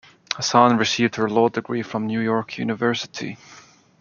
Hasan received her law degree from New York University.